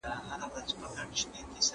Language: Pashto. هغه سړی ژړا پیل کړه.